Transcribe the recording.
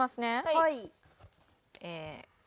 はい。